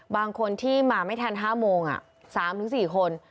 บางคนที่มาไม่ทัน๕โมงสามถึงสี่คน